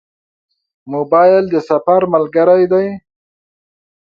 موبایل د سفر ملګری دی.